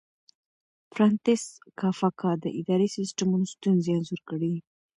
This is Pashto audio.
فرانتس کافکا د اداري سیسټمونو ستونزې انځور کړې دي.